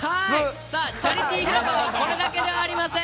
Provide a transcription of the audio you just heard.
チャリティー広場はこれだけではありません。